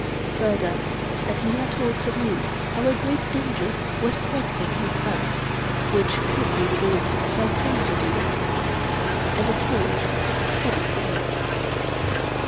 Further, that he had told Suddhoo how a great danger was threatening his son, which could be removed by clean jadoo ; and, of course, heavy payment.